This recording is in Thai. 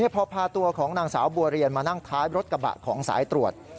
พอพาตัวของนางสาวบัวเรียนมานั่งท้ายรถกระบะของสายตรวจ